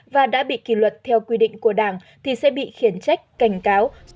và đã bị kỷ luật theo quy định của đảng thì sẽ bị khiển trách cảnh cáo